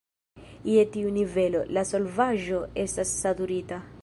Je tiu nivelo, la solvaĵo estas "saturita".